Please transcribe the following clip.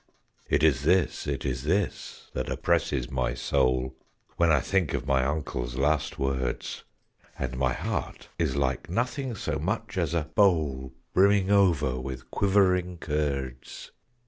"It is this, it is this that oppresses my soul, When I think of my uncle's last words: And my heart is like nothing so much as a bowl Brimming over with quivering curds!